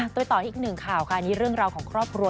ไปต่ออีกหนึ่งข่าวค่ะนี่เรื่องราวของครอบครัว